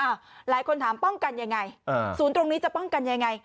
หลายคนถามป้องกันยังไงศูนย์ตรงนี้จะป้องกันยังไง